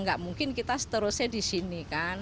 nggak mungkin kita seterusnya di sini kan